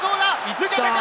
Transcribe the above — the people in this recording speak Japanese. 抜けたか！